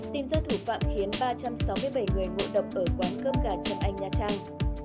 tìm ra thủ phạm khiến ba trăm sáu mươi bảy người ngộ độc ở quán cơm gà trọng anh nha trang